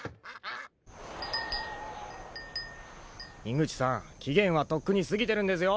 樋口さん期限はとっくに過ぎてるんですよ。